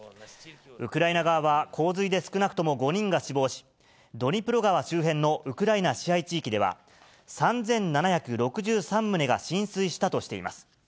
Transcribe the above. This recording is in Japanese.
ウクライナ側は、洪水で少なくとも５人が死亡し、ドニプロ川周辺のウクライナ支配地域では、３７６３棟が浸水したとしています。